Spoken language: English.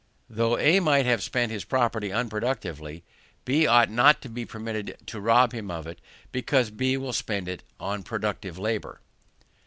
Though A might have spent his property unproductively, B ought not to be permitted to rob him of it because B will expend it on productive labour.